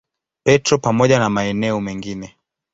Petro pamoja na maeneo mengine.